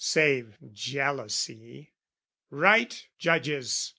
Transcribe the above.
"Save jealousy!" Right, judges!